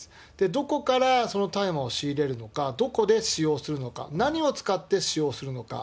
どこからその大麻を仕入れるのか、どこで使用するのか、何を使って使用するのか。